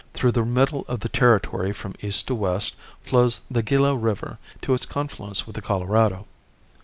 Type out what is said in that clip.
Through the middle of the Territory from east to west, flows the Gila river to its confluence with the Colorado.